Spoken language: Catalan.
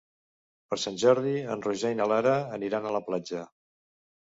Per Sant Jordi en Roger i na Lara aniran a la platja.